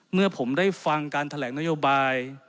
เมื่อผมได้ฟังการแถลงนโยบาย